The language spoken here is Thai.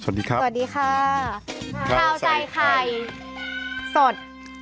สวัสดีครับสวัสดีค่ะครับทาวใจไข่สด